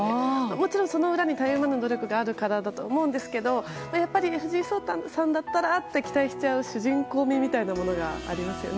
もちろん、その裏にたゆまぬ努力があるからだと思うんですけどやっぱり藤井聡太さんだったらと期待する主人公すぎるなと思っちゃいますね。